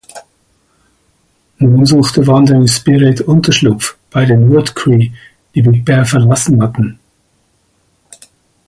Nun suchte Wandering Spirit Unterschlupf bei den Wood Cree, die Big Bear verlassen hatten.